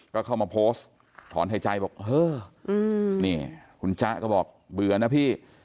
ก็เข้ามาโพสต์ถอนหายใจบอกเฮ้อนี่คุณจ๊ะก็บอกเบื่อนะพี่